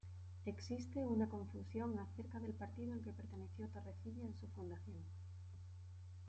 Existe una confusión acerca del partido al que perteneció Torrecilla en su fundación.